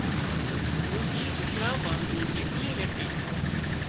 ڏوشي زونپڙا مان ايڪلي ريتي